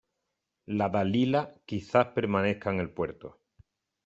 " la Dalila " quizá permanezca en el puerto :